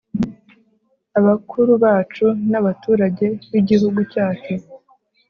abakuru bacu n'abaturage b'igihugu cyacu